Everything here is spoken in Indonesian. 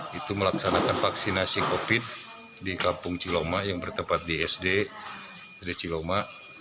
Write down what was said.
dan melaksanakan vaksinasi covid sembilan belas di kampung ciloma yang bertempat di sd ciloma